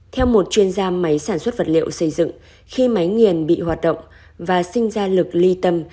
theo một chuyên gia máy sản xuất vật liệu xây dựng khi máy nghiền bị hoạt động và sinh ra lực ly tâm